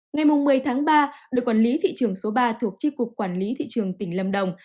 ngày một mươi tháng ba đội quản lý thị trường số ba thuộc chi cục quản lý thị trường tỉnh lâm đồng